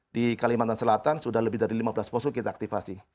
di kalimantan selatan sudah lebih dari lima belas poso kita aktifasi